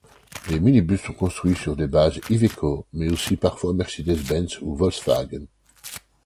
Les minibus sont construits sur des bases Iveco mais aussi parfois Mercedes-Benz ou Volkswagen.